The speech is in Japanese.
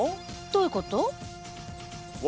どういうこと？